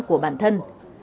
của bản thân